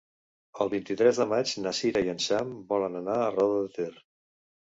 El vint-i-tres de maig na Sira i en Sam volen anar a Roda de Ter.